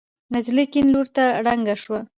نجلۍ کيڼ لور ته ړنګه شوه.